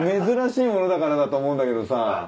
珍しいものだからだと思うんだけどさ。